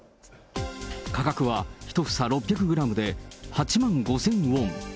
価格は１房６００グラムで８万５０００ウォン。